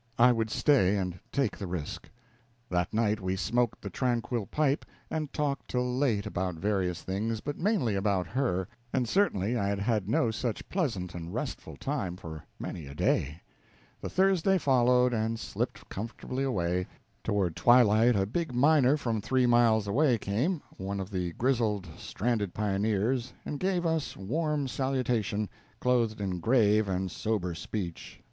I would stay and take the risk. That night we smoked the tranquil pipe, and talked till late about various things, but mainly about her; and certainly I had had no such pleasant and restful time for many a day. The Thursday followed and slipped comfortably away. Toward twilight a big miner from three miles away came one of the grizzled, stranded pioneers and gave us warm salutation, clothed in grave and sober speech.